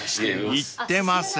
［言ってません］